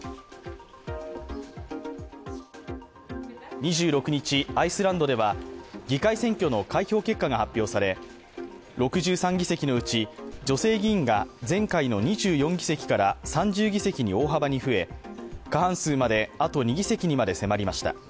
２６日、アイスランドでは議会選挙の開票結果が発表され６３議席のうち女性議員が前回の２４議席から３０議席に大幅に増え過半数まで、あと２議席にまで迫りました。